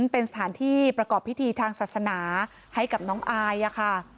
เป็นสถานที่ประกอบพิธีทางศาสนาให้กับน้องอายค่ะ